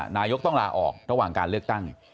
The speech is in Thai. นายกต้องลาออกระหว่างการเลือกตั้ง